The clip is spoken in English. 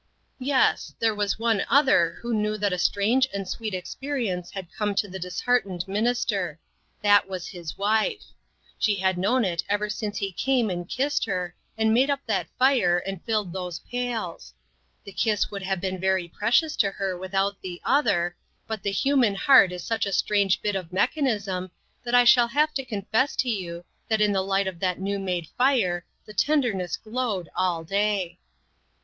Yes, there was one other who knew that a strange and sweet experience had come to the disheartened minister. That was his wife. She had known it ever since he came and kissed her, and made up that fire, and filled those pails. The kiss would have been very precious to her without the other, but the human heart is such a strange bit of mech anism, that I shall have to confess to you, that in the light of that new made fire, the tenderness glowed all day.